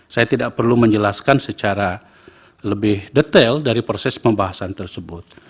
saya tidak perlu menjelaskan secara lebih detail dari proses pembahasan tersebut